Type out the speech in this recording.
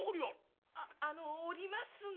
あの居りますが。